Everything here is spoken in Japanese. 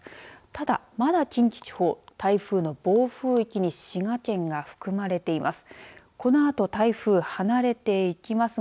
ただ、まだ近畿地方台風の暴風域に滋賀県が含まれています。